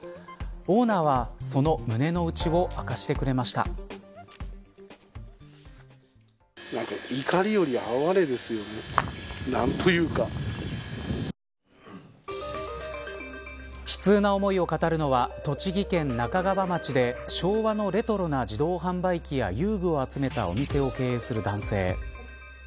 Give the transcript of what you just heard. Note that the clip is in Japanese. オーナーはその胸の内を悲痛な思いを語るのは栃木県那珂川町で昭和のレトロな自動販売機や遊具を集めたお店を経営する男性。